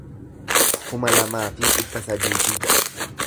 kuma lamaa fi dhibba sadii fi ja'a